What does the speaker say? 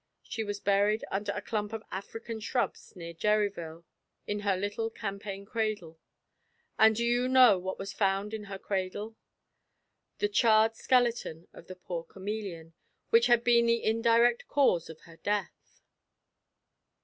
She was buried under a clump of African shrubs near Geryville, in her little campaign cradle. And do you know what was found in her cradle? The charred skeleton of the poor chameleon, which had been the indirect cause of her death.